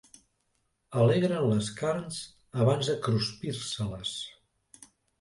Alegren les carns abans de cruspir-se-les.